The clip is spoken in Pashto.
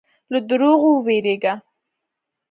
له دروغو وېرېږه.